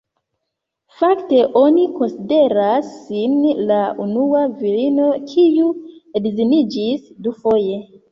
Fakte, oni konsideras ŝin la unua virino kiu edziniĝis dufoje.